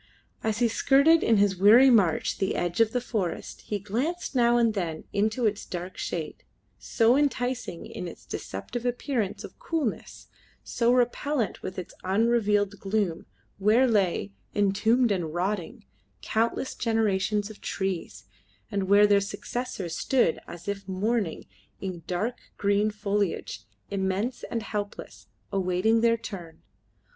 As he skirted in his weary march the edge of the forest he glanced now and then into its dark shade, so enticing in its deceptive appearance of coolness, so repellent with its unrelieved gloom, where lay, entombed and rotting, countless generations of trees, and where their successors stood as if mourning, in dark green foliage, immense and helpless, awaiting their turn.